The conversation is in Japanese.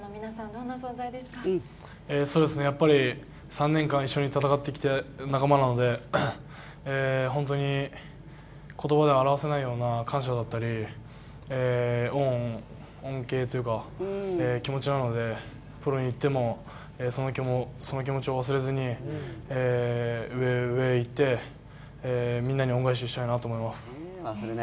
３年間一緒に戦ってきた仲間なので、本当に言葉では表せないような感謝だったり恩、恩恵というかそういう気持ちなのでプロにいってもその気持ちを忘れずに、上へ上へ行って、みんなに恩返ししたいなと思います。